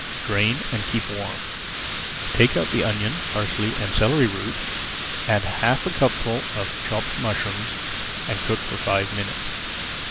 Drain and keep warm. Take out the onion, parsley and celery root, add half a cupful of chopped mushrooms, and cook for five minutes.